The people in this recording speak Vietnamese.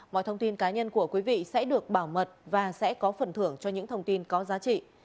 mọi thông tin cá nhân của quý vị sẽ được bảo mật và sẽ có phần thưởng cho những thông tin có giá trị